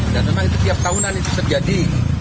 dan memang itu setiap tahunan itu terjadi